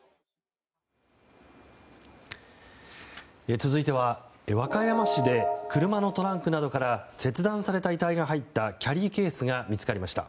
続いては、和歌山市で車のトランクなどから切断された遺体が入ったキャリーケースが見つかりました。